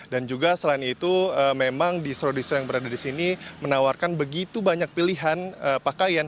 dan juga selain itu memang distro distro yang berada disini menawarkan begitu banyak pilihan pakaian